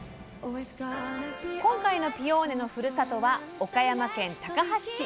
今回のピオーネのふるさとは岡山県高梁市。